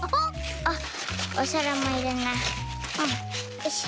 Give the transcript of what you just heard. あっおさらもいれなきゃ。